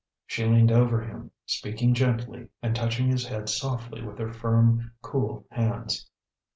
She leaned over him, speaking gently and touching his head softly with her firm, cool hands.